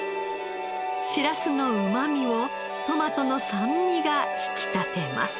しらすのうまみをトマトの酸味が引き立てます。